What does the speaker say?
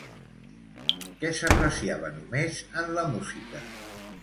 Què s'apreciava només en la música?